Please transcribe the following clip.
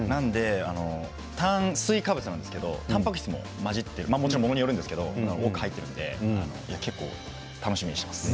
炭水化物なんですけれどたんぱく質も混じってもちろんものによるんですけれど結構、楽しみにしています。